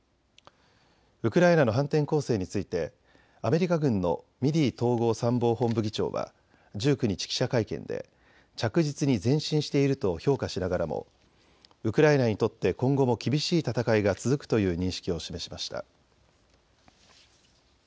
ウクライナの反転攻勢についてアメリカ軍のミリー統合参謀本部議長は１９日、記者会見で着実に前進していると評価しながらもウクライナにとって今後も厳しい戦いが続くという認識を示しました。